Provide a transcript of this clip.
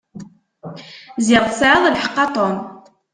Ziɣ tesεiḍ lḥeqq a Tom.